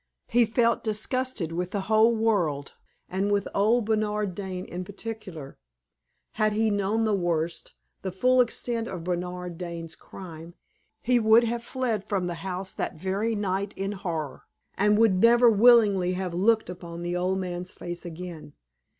He felt disgusted with the whole world, and with old Bernard Dane in particular. Had he known the worst the full extent of Bernard Dane's crime he would have fled from the house that very night in horror, and would never willingly have looked upon the old man's face again.